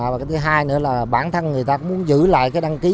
và cái thứ hai nữa là bản thân người ta cũng muốn giữ lại cái đăng ký